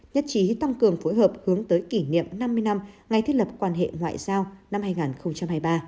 nhất trí tăng cường phối hợp hướng tới kỷ niệm năm mươi năm ngày thiết lập quan hệ ngoại giao năm hai nghìn hai mươi ba